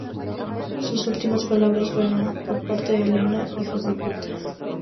Sus últimas palabras fueron, por parte de Elena: "hijos de puta!